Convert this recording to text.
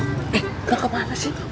eh mau kemana sih